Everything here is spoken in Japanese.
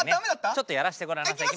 ちょっとやらしてごらんなさい。